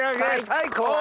最高！